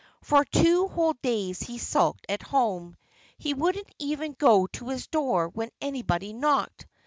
For two whole days he sulked at home. He wouldn't even go to his door when anybody knocked.